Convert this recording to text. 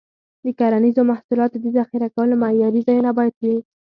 د کرنیزو محصولاتو د ذخیره کولو معیاري ځایونه باید وي.